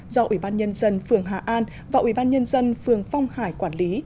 do ủy ban nhân dân phường hà an và ủy ban nhân dân phường phong hải quản lý